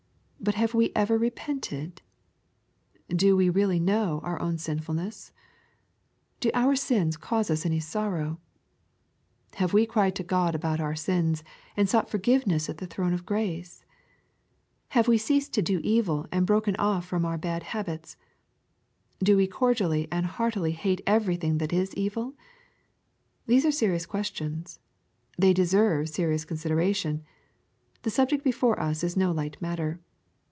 But have we ever repented ? Do we really know our own sinfulness ? Do our sins cause us any sorrow ? Have we cried to God about our sins, and sought forgiveness at the throne of grace ? Have we ceased to do evil, and broken off from our bad habitg ? Do we cordially and heartily hate everything that is evil ? These are serious questions. They de serve serious consideration. The subject before us is no light matter.